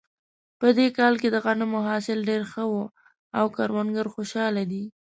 په دې کال کې د غنمو حاصل ډېر ښه و او کروندګر خوشحاله دي